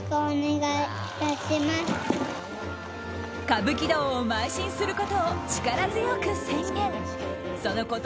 歌舞伎道をまい進することを力強く宣言。